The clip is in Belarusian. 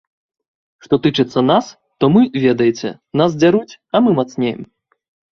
Што тычыцца нас, то мы, ведаеце, нас дзяруць, а мы мацнеем.